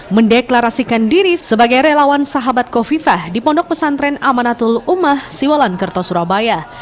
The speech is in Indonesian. mendeklarasikan diri sebagai relawan sahabat kofifah di pondok pesantren amanatul umah siwalan kerto surabaya